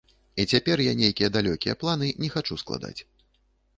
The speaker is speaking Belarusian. І цяпер я нейкія далёкі планы не хачу складаць.